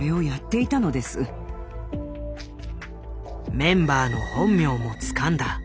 メンバーの本名もつかんだ。